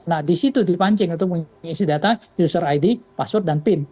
nah di situ dipancing untuk mengisi data user id password dan pin